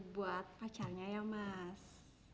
buat pacarnya ya mas